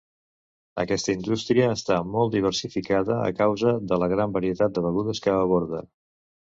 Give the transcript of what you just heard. Aquesta indústria està molt diversificada a causa de la gran varietat de begudes que aborda.